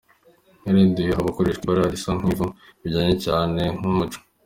yarahinduwe aho ubu hakoreshwa ibara risa nkivu, bijyanye cyane numuco.